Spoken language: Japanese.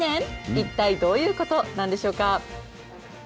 一体どういうことなんでしょうか。